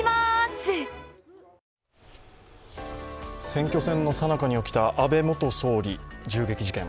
選挙戦のさなかに起きた安倍元総理銃撃事件。